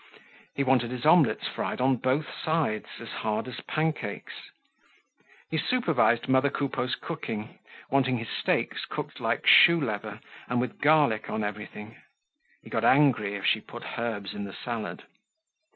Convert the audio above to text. He wanted his omelets fried on both sides, as hard as pancakes. He supervised mother Coupeau's cooking, wanting his steaks cooked like shoe leather and with garlic on everything. He got angry if she put herbs in the salad.